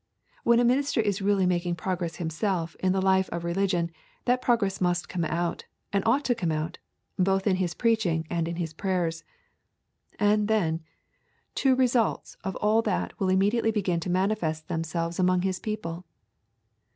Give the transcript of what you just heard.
When a minister is really making progress himself in the life of religion that progress must come out, and ought to come out, both in his preaching and in his prayers. And, then, two results of all that will immediately begin to manifest themselves among his people.